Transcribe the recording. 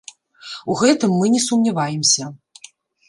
У гэтым мы не сумняваемся.